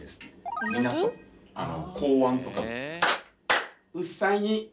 港湾とか。